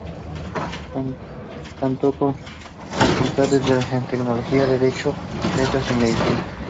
Contó con Facultades en Teología, Derecho, Letras y Medicina.